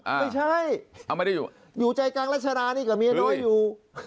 ไม่ใช่เอาไม่ได้อยู่อยู่ใจกลางรัชดานี่กับเมียน้อยอยู่